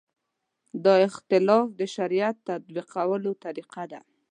دا اختلاف د شریعت تطبیقولو طریقه ده.